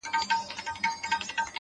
اوس مي حافظه ډيره قوي گلي ـ